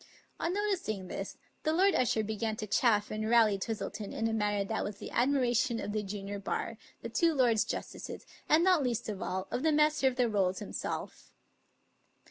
On noticing this. Lord Usher began to chaff and rally Twis tleton in a manner that was the admiration of the junior bar, the two lords justices, and, not least of all, of the Master of the Rolls himself.